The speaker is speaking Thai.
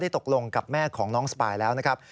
ตกลงกับแม่ของน้องสปายแล้วนะครับ